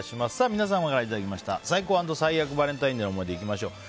皆様からいただきました最高＆最悪バレンタインデーの思い出、いきましょう。